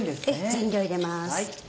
全量入れます。